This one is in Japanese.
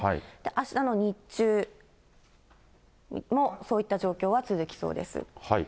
あしたの日中も、そういった状況は続きそうです。